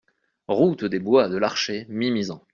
Route des Bois de Larchets, Mimizan